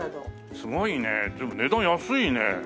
すごいね随分値段安いね。